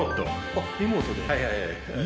あっリモートで？